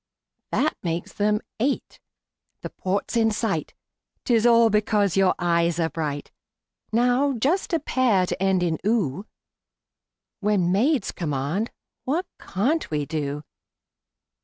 That makes them eight. The port's in sight 'Tis all because your eyes are bright! Now just a pair to end in "oo" When maids command, what can't we do?